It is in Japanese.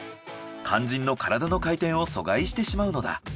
肝心の体の回転を阻害してしまうのだ。